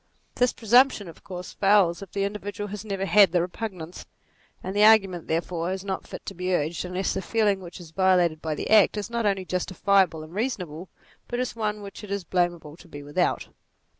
This presumption of course fails if the individual never had the repugnance : and the argument, therefore, is not fit to be urged unless the feeling which is violated by the act, is not only justi fiable and reasonable, bat is one which it is blamable to be without.